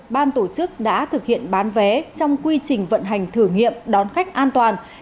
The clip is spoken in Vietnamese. ban tổ chức đã thực hiện bán vé trong quy trình vận hành thử nghiệm đón khách an toàn